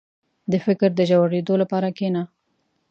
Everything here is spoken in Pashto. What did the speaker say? • د فکر د ژورېدو لپاره کښېنه.